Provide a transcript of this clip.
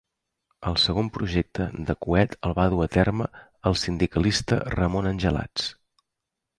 El segon projecte de coet el va dur a terme el sindicalista Ramon Angelats.